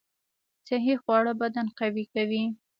صحي خواړه بدن قوي کوي